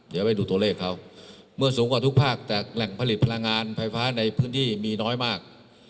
เดี๋ยวไปดูตัวเลขเขาเมื่อสูงกว่าทุกภาคแต่แหล่งผลิตพลังงานไฟฟ้าในพื้นที่มีน้อยมาก